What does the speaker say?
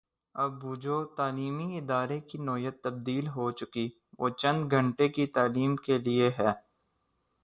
اب بوجوہ تعلیمی ادارے کی نوعیت تبدیل ہو چکی وہ چند گھنٹے کی تعلیم کے لیے ہے۔